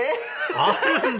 あるんだ！